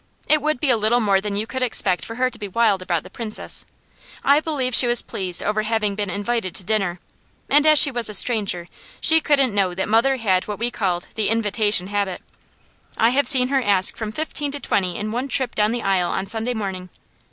It would be a little more than you could expect for her to be wild about the Princess. I believe she was pleased over having been invited to dinner, and as she was a stranger she couldn't know that mother had what we called the "invitation habit." I have seen her ask from fifteen to twenty in one trip down the aisle on Sunday morning.